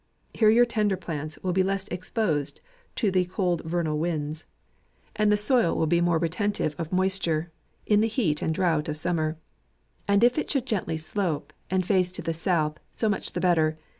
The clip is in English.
Here your tender plants will be less exposed to the cold vernal winds. JANUARY. 11 and the soil will be more retentive of mois ture, in the heat and drought of summer, — and if it should gently slope, and face to the south, so much the better.